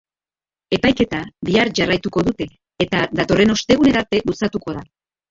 Epaiketa bihar jarraituko dute eta datorren ostegunerarte luzatuko da.